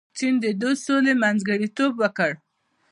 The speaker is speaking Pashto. چین د دې سولې منځګړیتوب وکړ.